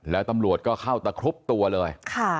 แล้วตำรวจก็เข้าตะครุบตัวเลย